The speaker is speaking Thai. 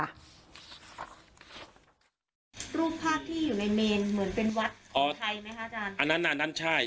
รูปภาพที่อยู่ในเมนเหมือนเป็นวัดของไทยไหมคะอาจารย์อันนั้นอันนั้นใช่